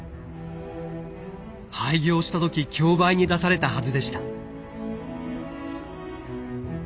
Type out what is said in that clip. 廃業した時競売に出されたはずでした。